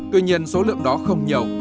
tuy nhiên số lượng đó không nhiều